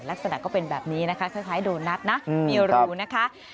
ลักษณะก็เป็นแบบนี้นะคะคล้ายโดนัทนะมีรูนะคะ